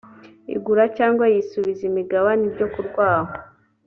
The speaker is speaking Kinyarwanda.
igura cyangwa yisubiza imigabane iryo kurwaho